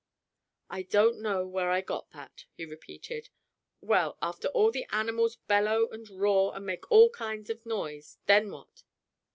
"I don't know where I got that," he repeated. "Well, after the animals bellow and roar and make all kinds of noise, then what?"